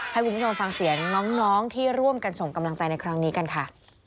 ให้คุณผู้ชมฟังเสียงน้องที่ร่วมกันส่งกำลังใจในครั้งนี้กันค่ะ